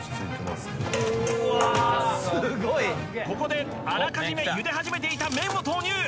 ここであらかじめゆで始めていた麺を投入！